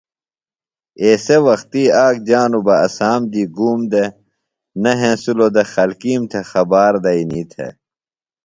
ایسےۡ موقئی آک جانوۡ بہ اسام دی گُوم دےۡ نہ ہینسِلوۡ دےۡ خلکیم تھےۡ خبار دئنی تھےۡ